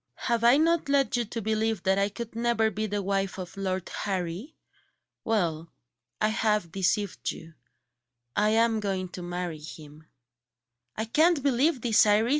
Have I not led you to believe that I could never be the wife of Lord Harry? Well, I have deceived you I am going to marry him." "I can't believe it, Iris!